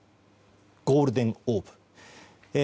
ゴールデンオーブ。